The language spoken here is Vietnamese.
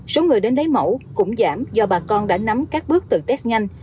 số người đến đấy mẫu cũng giảm do bà con đã nắm các bước tự test nhanh